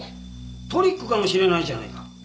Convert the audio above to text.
トリックかもしれないじゃないか。